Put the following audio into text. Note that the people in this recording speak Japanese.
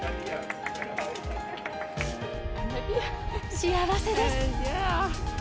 幸せです。